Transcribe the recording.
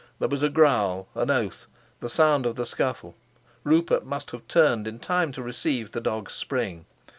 There was a growl, an oath, the sound of the scuffle. Rupert must have turned in time to receive the dog's spring.